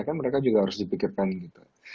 kan mereka juga harus dipikirkan gitu